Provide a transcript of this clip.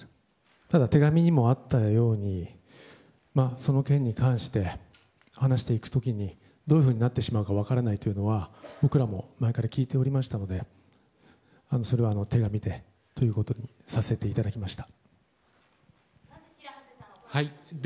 ただ手紙にもあったようにその件に関して話していく時にどういうふうになってしまうか分からないというのは僕らも前から聞いておりましたのでそれは手紙でということにさせていただきました。